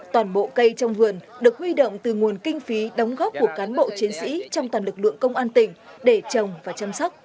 toàn bộ cây trong vườn được huy động từ nguồn kinh phí đóng góp của cán bộ chiến sĩ trong toàn lực lượng công an tỉnh để trồng và chăm sóc